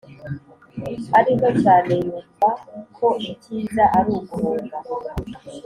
arinto cyane yumva ko icyiza aruguhunga